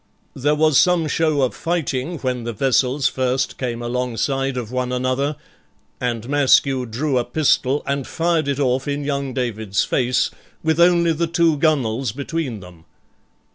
There was some show of fighting when the vessels first came alongside of one another, and Maskew drew a pistol and fired it off in young David's face, with only the two gunwales between them.